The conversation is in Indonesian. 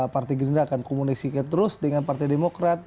partai gerindra akan komunikasikan terus dengan partai demokrat